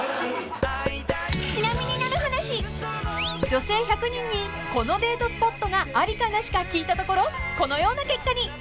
［女性１００人にこのデートスポットがありかなしか聞いたところこのような結果に］